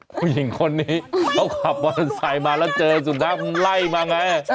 ผู้หญิงคนนี้เขาขับมอเตอร์ไซค์มาแล้วเจอสุนัขมันไล่มาไง